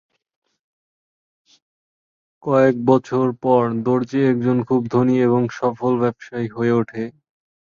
কয়েক বছর পর, দর্জি একজন খুব ধনী এবং সফল ব্যবসায়ী হয়ে উঠে।